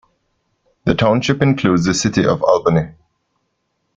The township includes the city of Albany.